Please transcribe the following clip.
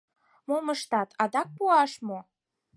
— Мом ыштат: адак пуаш мо?